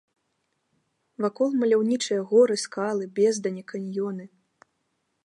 Вакол маляўнічыя горы, скалы, бездані, каньёны.